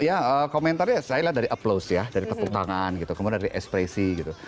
iya komentarnya saya lihat dari aplaus ya dari tepuk tangan gitu kemudian dari ekspresi gitu